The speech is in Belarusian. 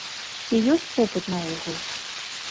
Ці ёсць попыт наогул?